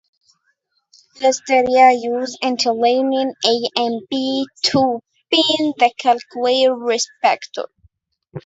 "Listeria" uses internalin A and B to bind to cellular receptors.